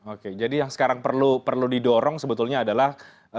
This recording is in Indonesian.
oke jadi yang sekarang perlu didorong sebetulnya adalah